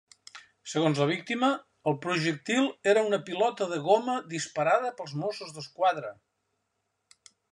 Segons la víctima, el projectil era una pilota de goma disparada pels Mossos d'Esquadra.